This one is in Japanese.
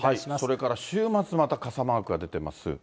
それから週末、また傘マークが出てます。